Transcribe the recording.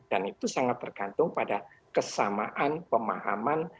dan itu sangat tergantung pada kesamaan pemahaman